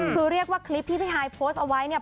คือเรียกว่าคลิปที่พี่ฮายโพสต์เอาไว้เนี่ย